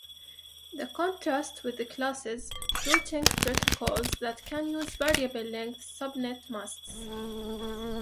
This contrasts with classless routing protocols that can use variable length subnet masks.